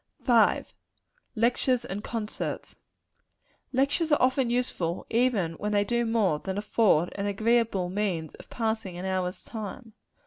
V. Lectures and Concerts. Lectures are often useful, even when they do no more than afford an agreeable means of passing an hour's time.